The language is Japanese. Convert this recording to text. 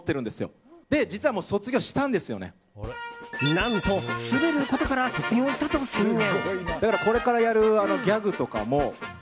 何と、スベることから卒業したと宣言。